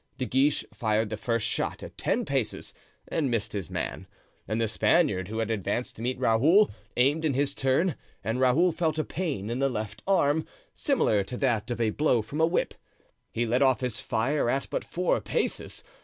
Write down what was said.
De Guiche fired the first shot at ten paces and missed his man; and the Spaniard, who had advanced to meet Raoul, aimed in his turn, and Raoul felt a pain in the left arm, similar to that of a blow from a whip. He let off his fire at but four paces.